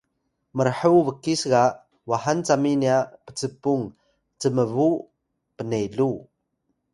mrhuw bkis ga wahan cami nya pcpun cmbu pnelu